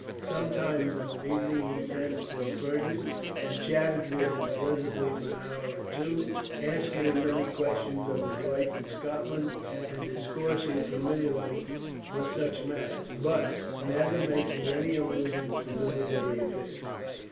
Sometimes of an evening he sent for Fergus, and chatted with him pleasantly for an hour or two, asking him many questions of his life in Scotland, and discoursing familiarly on such matters, but never making any allusion to military affairs.